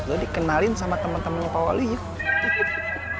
lo dikenalin sama teman temannya pak walu yuk